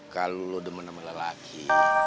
kalau lo demen sama lelaki